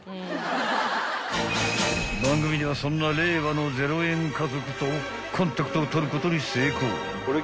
［番組ではそんな令和の０円家族とコンタクトを取ることに成功］